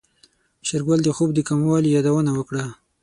شېرګل د خوب د کموالي يادونه وکړه.